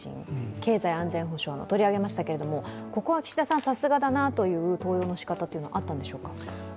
経済安全保障の取り上げましたけどここは岸田さん、さすがだなという登用の仕方はあったんでしょうか。